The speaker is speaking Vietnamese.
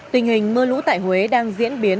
tình hình mưa lũ tại huế đang diễn biến